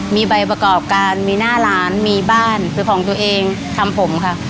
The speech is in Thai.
มีใบประกอบการมีหน้าร้านมีบ้านเป็นของตัวเองทำผมค่ะ